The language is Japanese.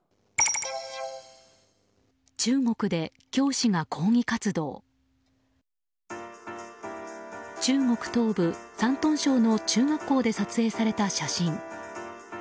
中国東部、山東省の中学校で撮影された写真。